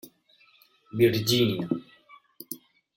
Virgínia.